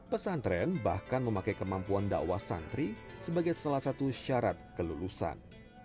pesantren bahkan memakai kemampuan dakwah santri sebagai salah satu syarat kelulusan